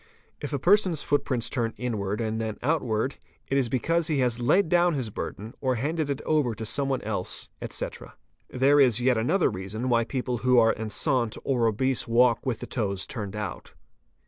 If a person's foot prints turn inwards and then outwards, it is because he has laid down his burden or handed it over to some one else, etc. There is yet another reason why people who are enceinte or obese walk with the toes turned out.